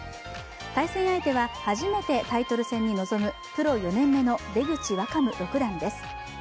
対戦相手は、初めてタイトル戦に臨むプロ４年目の出口若武六段です。